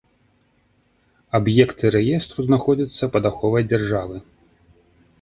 Аб'екты рэестру знаходзяцца пад аховай дзяржавы.